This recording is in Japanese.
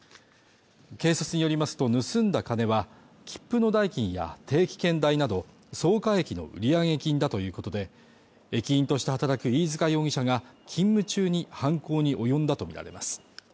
警察によりますと盗んだ金は切符の代金や定期券代など草加駅の売上金だということで駅員として働く飯塚容疑者が勤務中に犯行に及んだとみられます